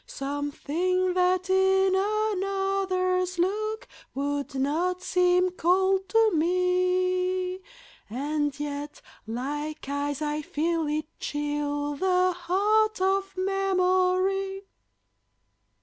Something that in another's look would not seem cold to me, And yet like ice I feel it chill the heart of memory.